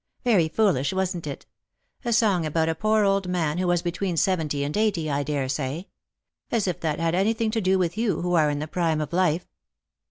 Very foolish, wasn't it ? A song about a poor old man, who was between seventy and eighty, I daresay. As if that had anything to do with you, who are in the prime of life."